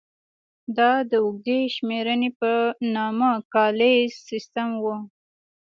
دا د اوږدې شمېرنې په نامه کالیز سیستم و.